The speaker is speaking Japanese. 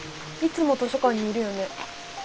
いつも図書館にいるよね。